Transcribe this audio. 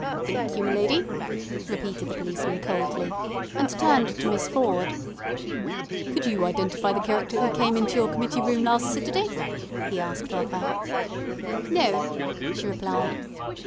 "Thenk you, my lady," repeated the policeman coldly, and turned to Miss Ford. "Could you identify the cherecter 'oo came into your committee room last Seturday?" he asked of her. "No," she replied.